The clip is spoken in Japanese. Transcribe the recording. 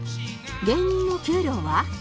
芸人の給料は？